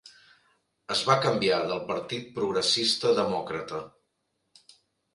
Es va canviar del Partit Progressista Demòcrata.